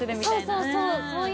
そうそうそう。